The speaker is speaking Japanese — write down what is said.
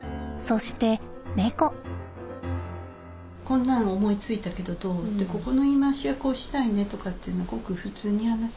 こんなん思いついたけどどう？ってここの言い回しはこうしたいねとかっていうのはごく普通に話すよね？